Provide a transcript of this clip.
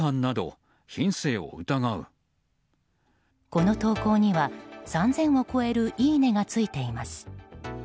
この投稿には３０００を超えるいいねがついています。